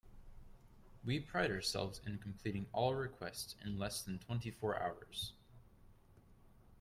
We pride ourselves in completing all requests in less than twenty four hours.